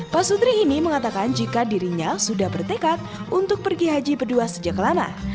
pasutri ini mengatakan jika dirinya sudah bertekad untuk pergi haji berdua sejak lama